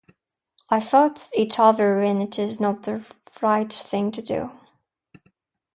I've thought it over and it is not the right thing to do.